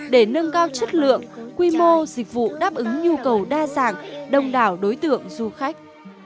để nâng cao chất lượng quy mô dịch vụ đáp ứng nhu cầu đa dạng đông đảo đối tượng du khách